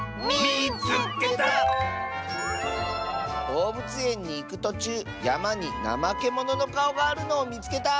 「どうぶつえんにいくとちゅうやまにナマケモノのかおがあるのをみつけた！」。